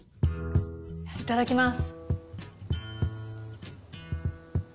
いただきます。